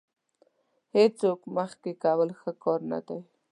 هېڅوک مخکې کول ښه کار نه دی.